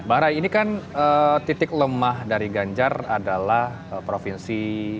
mbak rai ini kan titik lemah dari gajar adalah provinsi